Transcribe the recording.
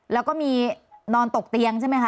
แล้วก็มีนอนตกเตียงใช่ไหมคะ